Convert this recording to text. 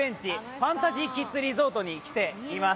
ファンタジーキッズリゾートに来ています。